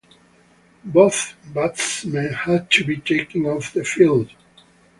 Both batsmen had to be taken off the field.